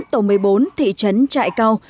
tổng một mươi bốn thị trấn trại cao